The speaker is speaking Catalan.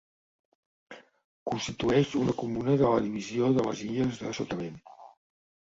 Constitueix una comuna de la divisió de les Illes de Sotavent.